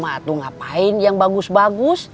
mbak tuh ngapain yang bagus bagus